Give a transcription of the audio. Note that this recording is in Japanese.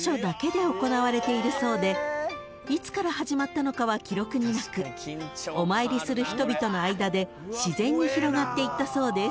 ［いつから始まったのかは記録になくお参りする人々の間で自然に広がっていったそうです］